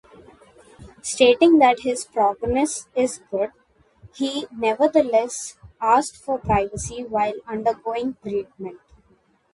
Stating that his prognosis is good, he nevertheless asked for privacy while undergoing treatment.